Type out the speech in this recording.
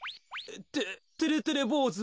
っててれてれぼうず？